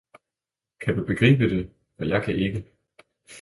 Kan du begribe det, for jeg kan ikke!